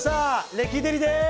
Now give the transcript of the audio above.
レキデリです！